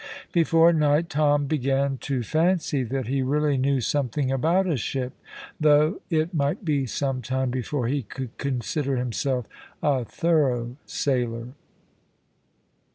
Before night Tom began to fancy that he really knew something about a ship, though it might be some time before he could consider himself a thorough sailor.